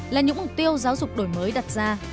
là những mục tiêu giáo dục đổi mới đặt ra